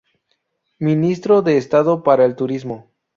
Ministro de Estado para el Turismo.